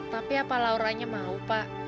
tapi apa lauranya mau pak